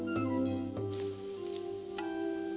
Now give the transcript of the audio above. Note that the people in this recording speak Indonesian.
janganlah kau berguna